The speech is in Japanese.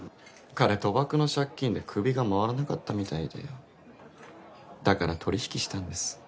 彼賭博の借金で首が回らなかったみたいでだから取引したんです